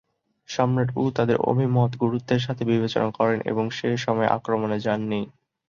সম্রাট য়ু তাদের অভিমত গুরুত্বের সাথে বিবেচনা করেন এবং সে সময়ে আক্রমণে যান নি।